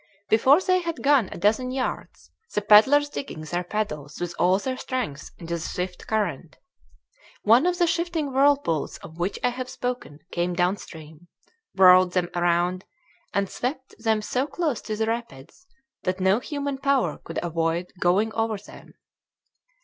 Before they had gone a dozen yards, the paddlers digging their paddles with all their strength into the swift current, one of the shifting whirlpools of which I have spoken came down stream, whirled them around, and swept them so close to the rapids that no human power could avoid going over them.